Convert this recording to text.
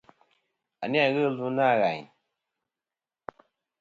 A ni-a ghɨ ɨlvɨ na.